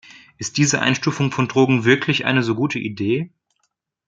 Ist diese Einstufung von Drogen wirklich eine so gute Idee?